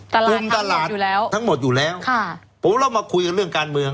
คุมตลาดอยู่แล้วทั้งหมดอยู่แล้วค่ะผมเรามาคุยกันเรื่องการเมือง